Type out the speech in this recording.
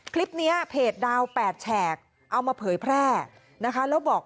คลิปนี้เพจดาวน์๘แฉกเอามาเผยแพร่